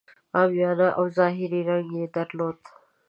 عامیانه او ظاهري رنګ یې درلود.